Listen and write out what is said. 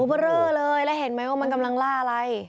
เบอร์เรอเลยแล้วเห็นไหมว่ามันกำลังล่าอะไร